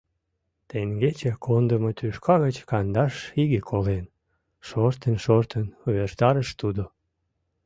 Теҥгече кондымо тӱшка гыч кандаш иге колен! — шортын-шортын увертарыш тудо.